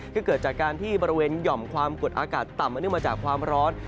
ก็เกิดจากการที่บริเวณหย่อมความกดอากาศต่ำมาเนื่องมาจากความร้อน